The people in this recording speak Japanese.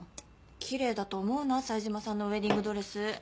奇麗だと思うな冴島さんのウエディングドレス。